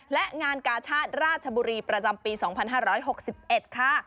และงานกาชาติราชบุรีประจำปี๒๕๖๑ค่ะ